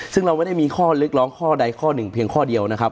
ซึ่งเราไม่ได้มีข้อเรียกร้องข้อใดข้อหนึ่งเพียงข้อเดียวนะครับ